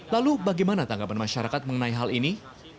lalu bagaimana tanggapan masyarakat mengenai hal ini